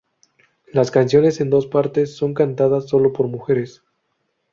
Las canciones en dos partes son cantadas solo por mujeres.